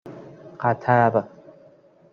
قطر